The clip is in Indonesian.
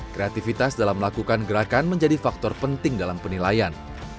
kreativitas dalam melakukan gerakan menjadi faktor penting dalam penilaian